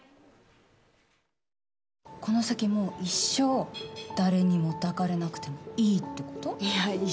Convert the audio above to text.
この先も一生誰にも抱かれなくてもいいってこと？